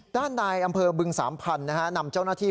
ด้านในอำเภอบึง๓๐๐๐นำเจ้าหน้าที่